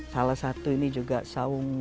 salah satu ini juga sawung batik